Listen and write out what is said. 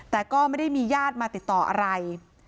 แต่ก็ไม่ได้มีญาติมาติดต่ออะไร